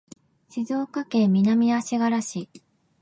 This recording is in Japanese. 静岡県南足柄市